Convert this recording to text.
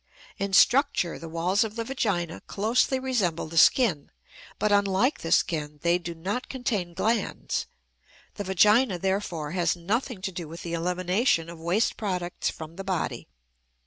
In structure the walls of the vagina closely resemble the skin, but unlike the skin they do not contain glands; the vagina, therefore, has nothing to do with the elimination of waste products from the body.